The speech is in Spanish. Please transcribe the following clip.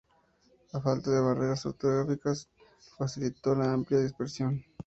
La falta de barreras orográficas facilitó la amplia dispersión.